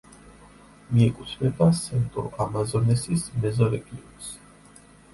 მიეკუთვნება სენტრუ-ამაზონესის მეზორეგიონს.